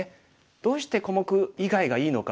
どうして小目以外がいいのか。